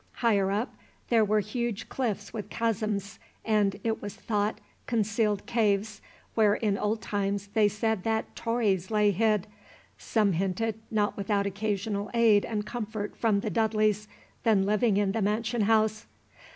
Higher up there were huge cliffs with chasms, and, it was thought, concealed caves, where in old times they said that Tories lay hid, some hinted not without occasional aid and comfort from the Dudleys then living in the mansion house.